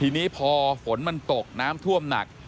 ทีนี้พอฝนมันตกน้ำท่วมหนัก